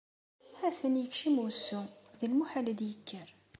Ha-t-an ikcem usu, d lmuḥal ad ikker.